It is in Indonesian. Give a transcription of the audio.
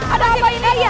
ada siapa ini